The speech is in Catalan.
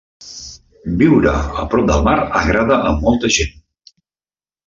Viure a prop del mar agrada a molta gent.